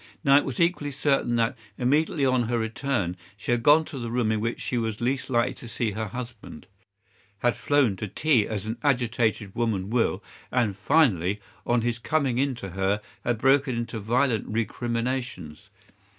Now, it was equally certain that, immediately on her return, she had gone to the room in which she was least likely to see her husband, had flown to tea as an agitated woman will, and finally, on his coming in to her, had broken into violent recriminations.